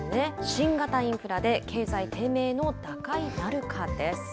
新型インフラで経済低迷の打開なるかです。